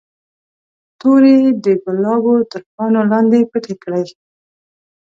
تورې د ګلابو تر پاڼو لاندې پټې کړئ.